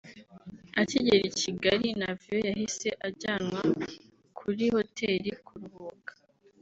Akigera i Kigali Navio yahise ajyanwa kuri Hotel kuruhuka